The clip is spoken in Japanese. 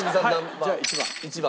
じゃあ１番。